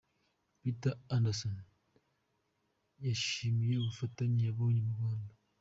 Peter Adamson yishimiye ubufatanye yabonye mu Rwanda.